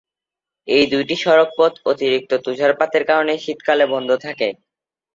এই দুইটি সড়কপথ অতিরিক্ত তুষারপাতের কারণে শীতকালে বন্ধ থাকে।